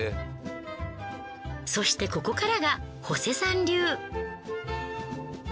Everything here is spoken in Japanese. そしてここからがホセさん流。